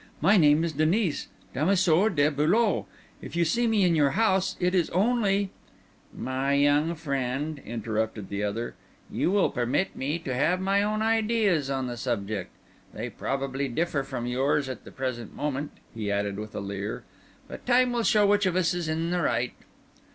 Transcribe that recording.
My name is Denis, damoiseau de Beaulieu. If you see me in your house, it is only—" "My young friend," interrupted the other, "you will permit me to have my own ideas on that subject. They probably differ from yours at the present moment," he added with a leer, "but time will show which of us is in the right."